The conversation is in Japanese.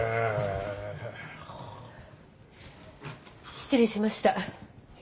失礼しました。